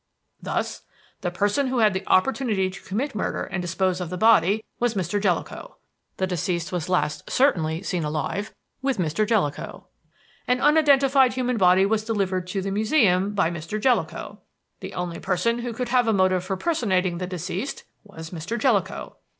Thus: "The person who had the opportunity to commit murder and dispose of the body was Mr. Jellicoe. "The deceased was last certainly seen alive with Mr. Jellicoe. "An unidentified human body was delivered to the Museum by Mr. Jellicoe. "The only person who could have a motive for personating the deceased was Mr. Jellicoe.